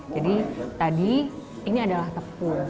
jadi tadi ini adalah tepung